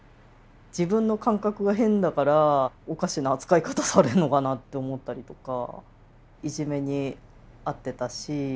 自分の感覚が変だからおかしな扱い方されるのかなって思ったりとかいじめに遭ってたし。